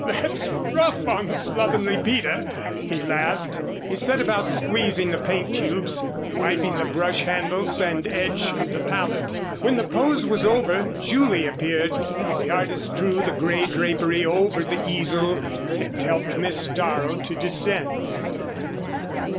"That's rough on Slovenly Peter," he laughed. He set about squeezing the paint tubes, wiping the brush handles and edge of the palette. When the pose was over Julie appeared. The artist drew the grey drapery over the easel and helped Miss Darrow to descend.